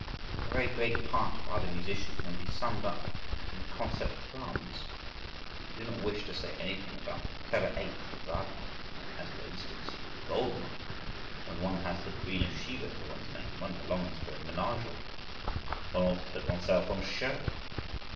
—A very great part of other musicians may be summed up in the concept Brahms—I do not wish to say anything about the clever apes of Wagner, as for instance Goldmark: when one has "The Queen of Sheba" to one's name, one belongs to a menagerie,—one ought to put oneself on show.